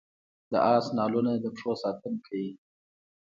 د اس نالونه د پښو ساتنه کوي